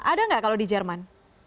ada nggak kalau di jerman